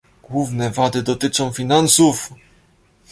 Główne wady dotyczą finansów